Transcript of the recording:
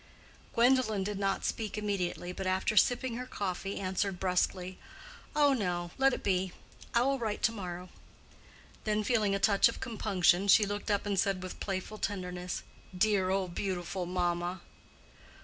Gwendolen did not speak immediately, but after sipping her coffee, answered brusquely, "Oh no, let it be; I will write to morrow." Then, feeling a touch of compunction, she looked up and said with playful tenderness, "Dear, old, beautiful mamma!"